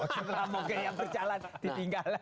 setelah mogok yang berjalan ditinggal